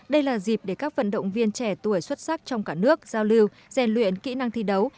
đây là dịp để các vận động viên trẻ tuổi xuất sắc trong cả nước giao lưu rèn luyện kỹ năng thi đấu